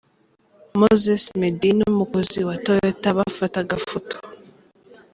Moses, Meddy n'umukozi wa Toyota bafata agafoto.